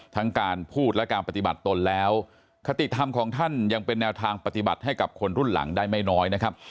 ทั้งการพูดและการปฏิบัติตนแล้วคติธรรมของท่านยังเป็นแนวทางปฏิบัติให้กับคนรุ่นหลังได้ไม่น้อยนะครับ